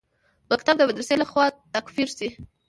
مکتب د مدرسې لخوا تکفیر شي.